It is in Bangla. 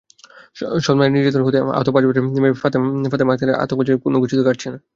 সৎমায়ের নির্যাতনে আহত পাঁচ বছরের মেয়ে ফাতেমা আক্তারের আতঙ্ক যেন কিছুতেই কাটছে না।